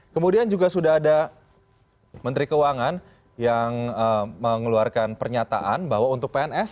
kemudian juga sudah ada menteri keuangan yang mengeluarkan pernyataan bahwa untuk pns